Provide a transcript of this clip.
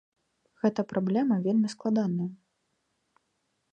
Гэта праблема вельмі складаная.